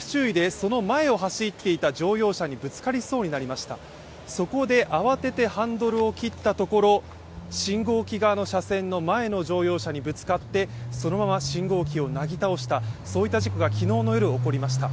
そこで慌ててハンドルを切ったところ信号機側の車線の前の乗用車にぶつかってそのまま信号機をなぎ倒した、そういった事故が昨日の夜、起こりました。